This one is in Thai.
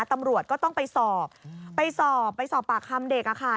ตำรวจก็ต้องไปสอบไปสอบไปสอบปากคำเด็กค่ะ